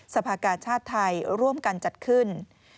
สภากาชาติไทยร่วมกันจัดขึ้น